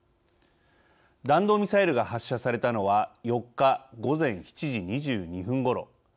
弾道ミサイルが発射されたのは４日、午前７時２２分ごろ。